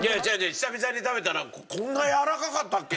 久々に食べたらこんなやわらかかったっけ？